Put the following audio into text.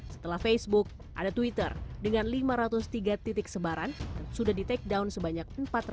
setelah facebook ada twitter dengan lima ratus tiga titik sebaran dan sudah di take down sebanyak empat ratus